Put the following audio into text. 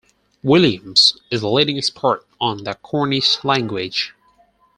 Williams, is a leading expert on the Cornish language.